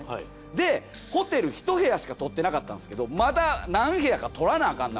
でホテルひと部屋しかとってなかったんですけどまだ何部屋かとらなあかんな